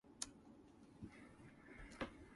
Eric Eisner executive produced.